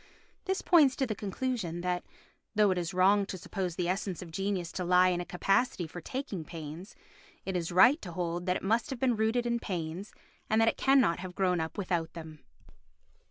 This points to the conclusion that, though it is wrong to suppose the essence of genius to lie in a capacity for taking pains, it is right to hold that it must have been rooted in pains and that it cannot have grown up without them.